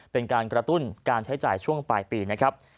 เป็นการกระตุ้นการใช้จ่ายช่วงปลายปีนะครับ